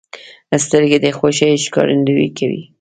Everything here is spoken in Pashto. سترګې د خوښۍ ښکارندویي کوي